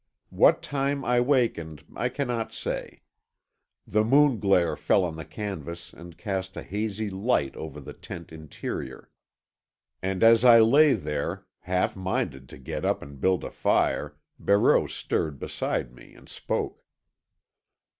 What time I wakened I cannot say. The moon glare fell on the canvas and cast a hazy light over the tent interior. And as I lay there, half minded to get up and build a fire Barreau stirred beside me, and spoke.